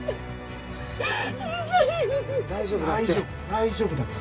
大丈夫だって！